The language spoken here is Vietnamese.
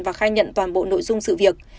và khai nhận toàn bộ nội dung sự việc